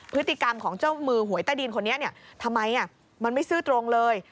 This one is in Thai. พฤติกรรมของเจ้ามือหวยใต้ดินคนนี้ทำไมมันไม่ซื่อตรงเลย